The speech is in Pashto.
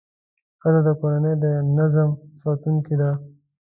ښځه د کورنۍ د نظم ساتونکې ده.